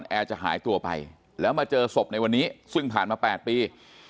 แอร์จะหายตัวไปแล้วมาเจอศพในวันนี้ซึ่งผ่านมา๘ปี